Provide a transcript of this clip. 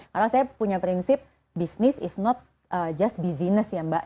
karena saya punya prinsip bisnis is not just business ya mbak